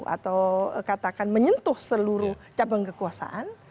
atau katakan menyentuh seluruh cabang kekuasaan